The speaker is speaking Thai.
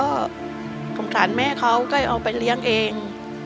ก็สงสารแม่เขาก็เอาไปเลี้ยงเอง